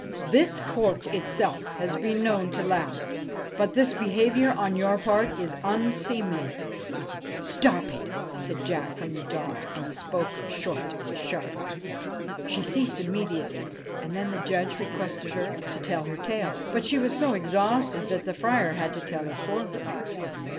' This Court itself has been known to laugh, but this behaviour on your part is unseemly.' ' Stop it !' said Jack from the dock, and he spoke short and sharp. She ceased immediately, and then the Judge requested her to tell her tale ; but she was so exhausted that the Friar had to tell it for her.